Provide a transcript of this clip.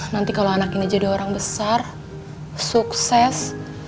nanti kalau anak ini jadi orang besar sukses